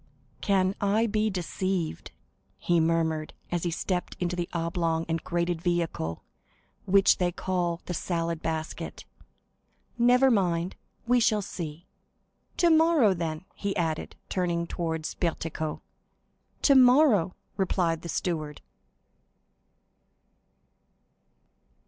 "Can I be deceived?" he murmured, as he stepped into the oblong and grated vehicle which they call "the salad basket." "Never mind, we shall see! Tomorrow, then!" he added, turning towards Bertuccio. "Tomorrow!" replied the steward.